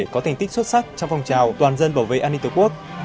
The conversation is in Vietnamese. có thành tích xuất sắc trong phòng trào toàn dân bảo vệ an ninh tổ quốc